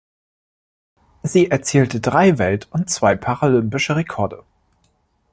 Sie erzielte drei Welt- und zwei paralympische Rekorde.